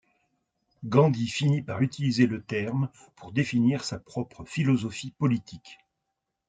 Gandhi finit par utiliser le terme pour définir sa propre philosophie politique.